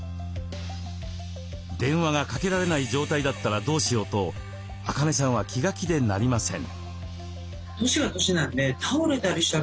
電話がかけられない状態だったらどうしようとアカネさんは気が気でなりません。